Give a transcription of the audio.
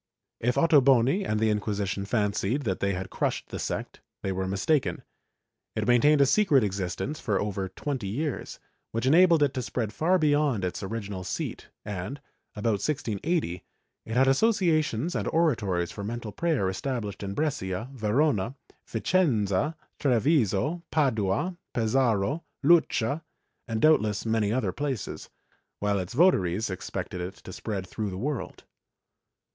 ^ If Ottoboni and the Inquisition fancied that they had crushed the sect, they were mistaken. It maintained a secret existence for over twenty years, which enabled it to spread far beyond its original seat and, about 1680, it had associations and oratories for mental prayer established in Brescia, A'erona, A'icenza, Treviso, Padua, Pesaro, Lucca and doubtless many other places, while its votaries expected it to spread through the world.